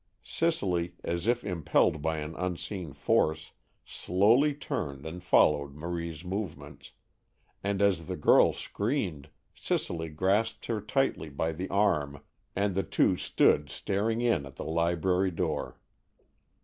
Cicely, as if impelled by an unseen force, slowly turned and followed Marie's movements, and as the girl screamed, Cicely grasped her tightly by the arm, and the two stood staring in at the library door.